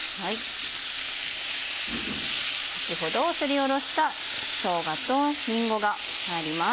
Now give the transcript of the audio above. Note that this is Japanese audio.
先ほどすりおろしたしょうがとりんごが入ります。